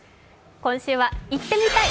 今週は「行ってみたい！